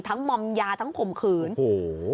ทั้งมอมยาทั้งขมขืนโอ้โห